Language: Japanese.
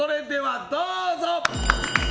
どうぞ！